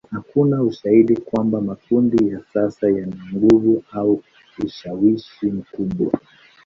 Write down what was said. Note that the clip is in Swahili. Hakuna ushahidi kwamba makundi ya sasa yana nguvu au ushawishi mkubwa.